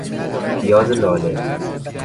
پیاز لاله